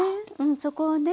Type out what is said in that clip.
そこをね